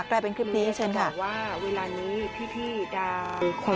กลายเป็นคลิปนี้เช่นค่ะ